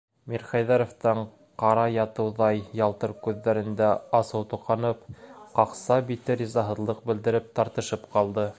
Мирхәйҙәровтың ҡара ятыуҙай ялтыр күҙҙәрендә асыу тоҡанып, ҡаҡса бите ризаһыҙлыҡ белдереп тартышып ҡалды.